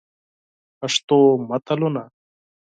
پښتو متلونه: